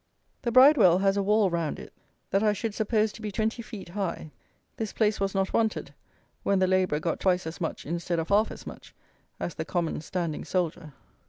The Bridewell has a wall round it that I should suppose to be twenty feet high. This place was not wanted, when the labourer got twice as much instead of half as much as the common standing soldier.